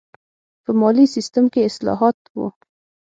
په مالي سیستم کې اصلاحات و.